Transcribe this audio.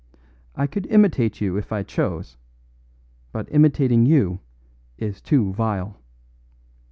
I could imitate you if I chose, but imitating you is too vile.